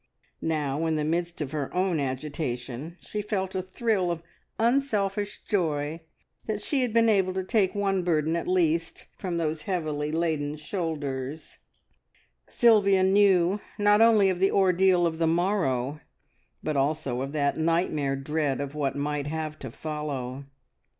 Now, in the midst of her own agitation, she felt a thrill of unselfish joy that she had been able to take one burden at least from those heavily laden shoulders. Sylvia knew not only of the ordeal of the morrow, but also of that nightmare dread of what might have to follow.